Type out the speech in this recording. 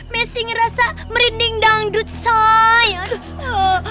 messi ngerasa merinding dangdut sayang